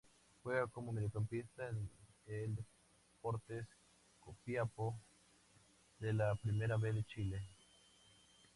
Juega como mediocampista en Deportes Copiapó de la Primera B de Chile.